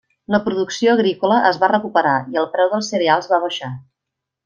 La producció agrícola es va recuperar i el preu dels cereals va baixar.